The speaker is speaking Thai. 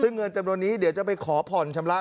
ซึ่งเงินจำนวนนี้เดี๋ยวจะไปขอผ่อนชำระ